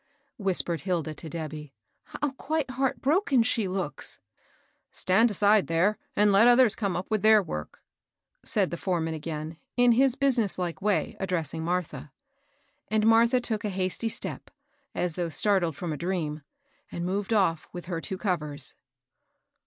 whispered Hilda to Debby, " How quite heart broken she looks I '*^^ Stand aside there, and let others come up with theiir work," said the foreman again, in his busi ness like way, addressing Martha. And Martha took a hasty step, as though startled firom a dream, and moved off with her two covers.